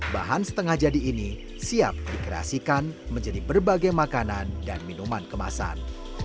bahan setengah jadi ini siap dikreasikan menjadi berbagai makanan dan minuman kemasan